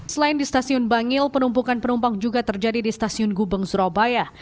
selain di stasiun bangil penumpukan penumpang juga terjadi di stasiun gubeng surabaya